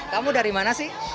kamu dari mana sih